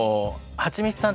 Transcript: はちみつさん。